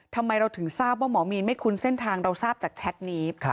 ทำไมเราถึงทราบว่าหมอมีนไม่คุ้นเส้นทางเราทราบจากแชทนี้